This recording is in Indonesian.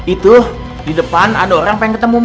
itu di depan ada orang pengen ketemu mbak andin